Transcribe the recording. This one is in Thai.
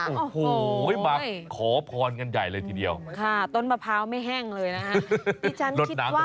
โอ้โหมาขอพรกันใหญ่เลยทีเดียวค่ะต้นมะพร้าวไม่แห้งเลยนะฮะ